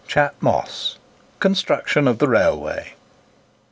CHAT MOSS—CONSTRUCTION OF THE RAILWAY.